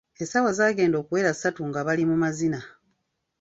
Essaawa zaagenda okuwera ssatu nga bali mu mazina.